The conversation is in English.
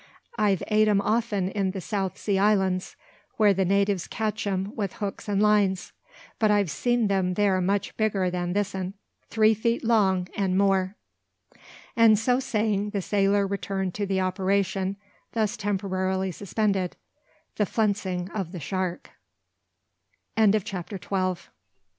I've ate 'em often in the South Sea Islands, where the natives catch 'em with hooks and lines; but I've seen them there much bigger than this 'un, three feet long, and more." And so saying, the sailor returned to the operation, thus temporarily suspended, the flensing of the shark. CHAPTER THIRTEEN. THE SUCKING FISH. The fish that had thus si